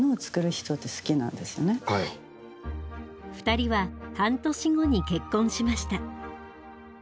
２人は半年後に結婚しました。